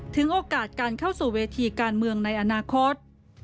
ถึงโอกาสการเข้าสู่เวทีการเมืองในอนาคต